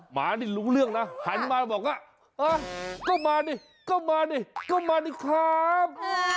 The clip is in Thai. หมานี่รู้เรื่องนะหันมาบอกว่าก็มาดิก็มาดิก็มานี่ครับ